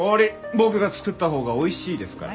僕が作ったほうがおいしいですから。